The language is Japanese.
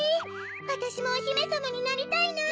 わたしもおひめさまになりたいな。